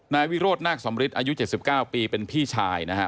นายวิโรธนาคสำริทอายุ๗๙ปีเป็นพี่ชายนะฮะ